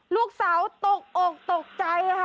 ลูกสาวตกอกตกใจค่ะ